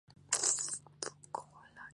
Nkoana-Mashabane nació en Ga-Makanye, Limpopo.